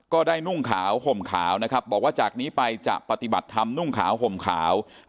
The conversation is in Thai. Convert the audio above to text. นุ่งขาวห่มขาวนะครับบอกว่าจากนี้ไปจะปฏิบัติธรรมนุ่งขาวห่มขาว